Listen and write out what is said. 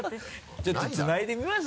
ちょっとつないでみます？